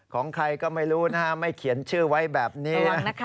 ของใครก็ไม่รู้นะฮะไม่เขียนชื่อไว้แบบนี้